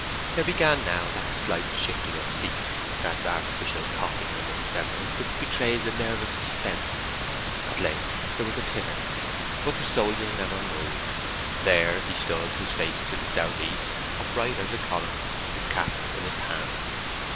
There began now that slight shifting of feet, that artificial coughing among several, which betrays a nervous suspense. At length there was a titter. But the soldier never moved. There he stood, his face to the south east, upright as a column, his cap in his hand.